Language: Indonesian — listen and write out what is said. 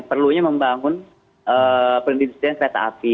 perlunya membangun perindustrian kereta api